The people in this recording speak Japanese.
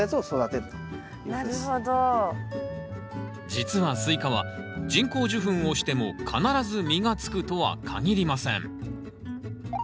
実はスイカは人工授粉をしても必ず実がつくとは限りません。